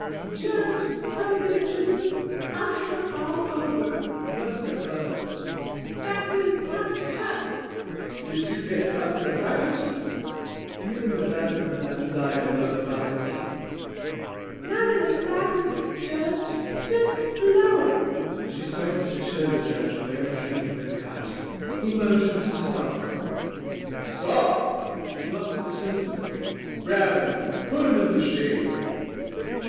WOMAN Judge, tell you de truth, I'm hurt all over. (Rubs her buttocks) Fact is I'm cut. JUDGE Did you git cut in de fracas? WOMAN (feeling the back of her left thigh below her buttocks) Not in de fracas, Judge just below it. (She starts to show the JUDGE where she has been cut. He motions to stop her.) JUDGE Stop! (to Officer Simpson) Grab him. Put him in de shade.